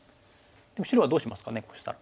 白はどうしますかねこうしたら。